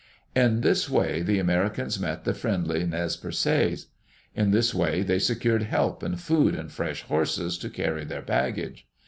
In this way the Americans met the friendly Nez Perccs. In this way they secured help and food and fresh horses to carry their baggage.